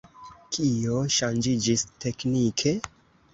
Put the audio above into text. Kio ŝanĝiĝis teknike?